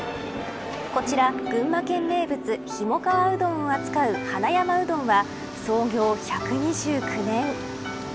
こちら、群馬県名物ひもかわうどんを扱う花山うどんは創業１２９年。